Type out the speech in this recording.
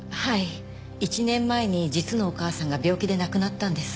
１年前に実のお母さんが病気で亡くなったんです。